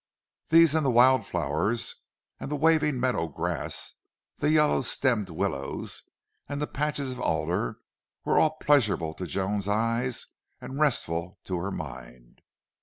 These and the wild flowers, and the waving meadow grass, the yellow stemmed willows, and the patches of alder, all were pleasurable to Joan's eyes and restful to her mind.